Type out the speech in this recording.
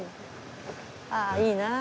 ああいいなあ。